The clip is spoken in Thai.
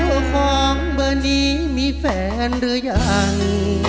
เจ้าของเบอร์นี้มีแฟนหรือยัง